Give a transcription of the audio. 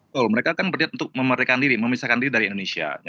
tuh mereka kan berdiri untuk memerdekakan diri memisahkan diri dari indonesia